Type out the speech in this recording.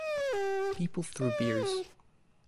People threw beers.